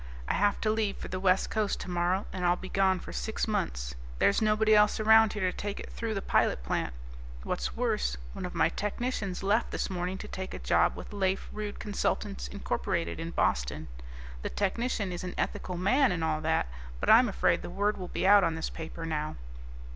I have to leave for the West Coast tomorrow, and I'll be gone for six months. There's nobody else around here to take it through the pilot plant. What's worse, one of my technicians left this morning to take a job with Lafe Rude Consultants, Inc., up in Boston. The technician is an ethical man, and all that, but I'm afraid the word will be out on this paper now."